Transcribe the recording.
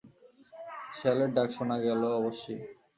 শেয়ালের ডাক শোনা গেল অবশ্যি।